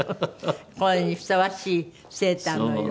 これにふさわしいセーターの色。